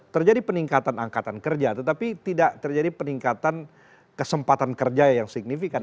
terjadi peningkatan angkatan kerja tetapi tidak terjadi peningkatan kesempatan kerja yang signifikan